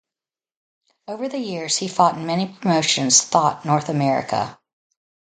Over the years, he fought in many promotions thought North America.